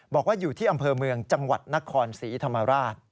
บอกว่าอยู่ที่อำเภอเมืองจังหวัดนครศรีธรรมราช